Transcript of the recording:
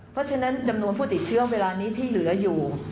เพราะฉะนั้นจำนวนผู้ติดเชื้อเวลานี้ที่เหลืออยู่